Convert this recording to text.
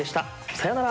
さようなら。